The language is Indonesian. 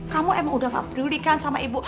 kamu emang udah gak perlulikan sama ibu